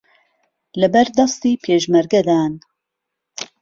لەبەردەستی پێشمەرگەدان